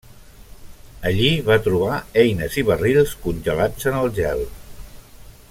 Allí va trobar eines i barrils congelats en el gel.